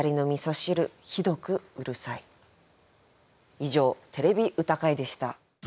以上「てれび歌会」でした。